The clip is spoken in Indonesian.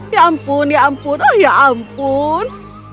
ya ampun ya ampun oh ya ampun